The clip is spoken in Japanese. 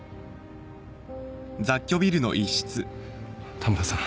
田村さん。